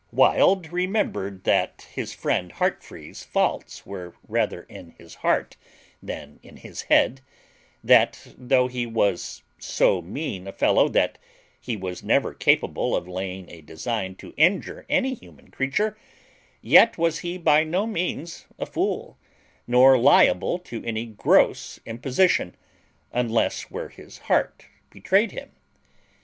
Wild remembered that his friend Heartfree's faults were rather in his heart than in his head; that, though he was so mean a fellow that he was never capable of laying a design to injure any human creature, yet was he by no means a fool, nor liable to any gross imposition, unless where his heart betrayed him.